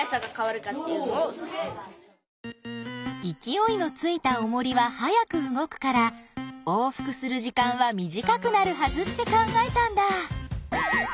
いきおいのついたおもりは速く動くから往復する時間は短くなるはずって考えたんだ。